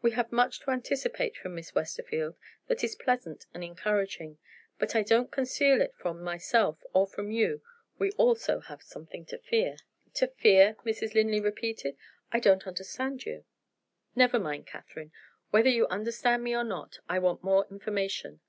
We have much to anticipate from Miss Westerfield that is pleasant and encouraging. But I don't conceal it from myself or from you, we have also something to fear." "To fear?" Mrs. Linley repeated. "I don't understand you." "Never mind, Catherine, whether you understand me or not. I want more information.